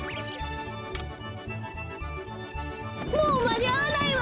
もうまにあわないわ！